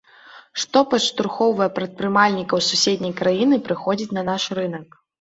Што падштурхоўвае прадпрымальнікаў з суседняй краіны прыходзіць на наш рынак.